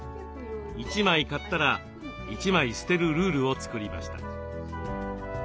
１枚買ったら１枚捨てるルールを作りました。